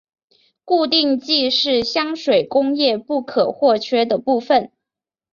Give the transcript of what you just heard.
固定剂是香水工业不可或缺的部份。